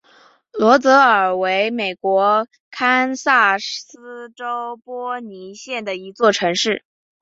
罗泽尔为美国堪萨斯州波尼县的一座城市。